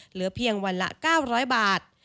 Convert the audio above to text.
เหลือเพียงวันละ๙๐๐บาท